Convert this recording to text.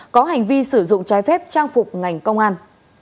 có hành vi sử dụng trái phép trang phục ngành công an